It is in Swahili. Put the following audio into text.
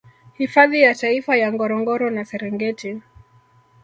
Hifadhi ya Taifa ya Ngorongoro na Serengeti